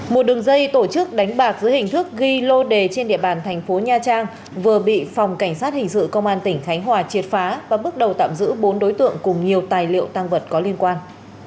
một đường dây tổ chức đánh bạc dưới hình thức ghi lô đề trên địa bàn thành phố nha trang vừa bị phòng cảnh sát hình sự công an tỉnh khánh hòa triệt phá và bước đầu tạm giữ bốn đối tượng cùng nhiều tài liệu tăng vật có liên quan